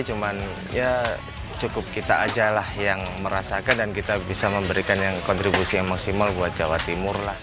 cuman ya cukup kita aja lah yang merasakan dan kita bisa memberikan yang kontribusi yang maksimal buat jawa timur lah